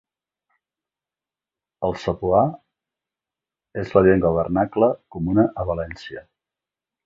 El cebuà és la llengua vernacla comuna a València.